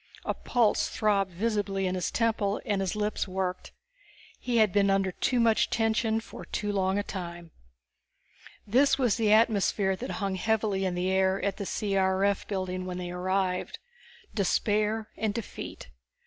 A pulse throbbed visibly in his temple and his lips worked. He had been under too much tension for too long a time. This was the atmosphere that hung heavily in the air at the C.R.F. building when they arrived. Despair and defeat.